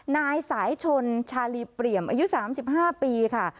นายสายชนชาลีเปรียมอายุ๓๕ปีค่ะ